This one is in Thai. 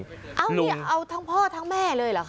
เอานี่เอาทั้งพ่อทั้งแม่เลยเหรอค